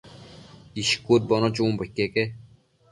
ishcudbono chunbo iqueque